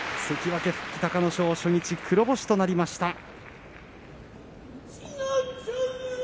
関脇隆の勝初日黒星となりました。